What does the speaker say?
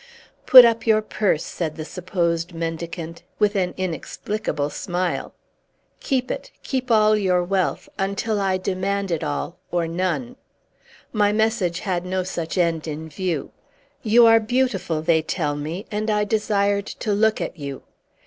"Put up your purse," said the supposed mendicant, with an inexplicable smile. "Keep it, keep all your wealth, until I demand it all, or none! My message had no such end in view. You are beautiful, they tell me; and I desired to look at you."